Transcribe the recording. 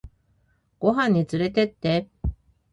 ご飯につれてって